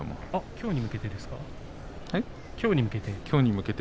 きょうに向けてですか？